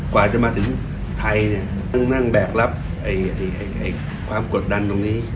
กว่าจะมาถึงไทยเนี่ยต้องนั่งแบกรับความกดดันตรงนี้